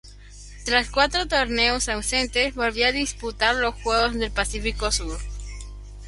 Tras cuatro torneos ausentes, volvió a disputar los Juegos del Pacífico Sur.